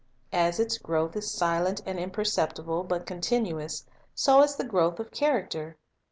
As its growth is silent and imperceptible, but con tinuous, so is the growth of character.